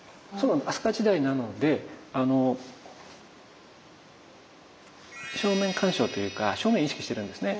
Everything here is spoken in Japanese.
飛鳥時代なのであの正面観照というか正面意識してるんですね。